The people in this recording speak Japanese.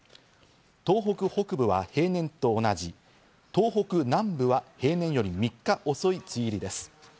東北北部は平年と同じ、東北南部は平年より３日遅い梅雨入りです。